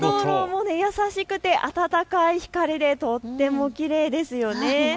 竹灯籠も優しくて温かい光でとってもきれいですね。